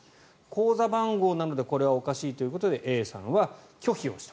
口座番号なのでこれはおかしいということでＡさんは拒否をした。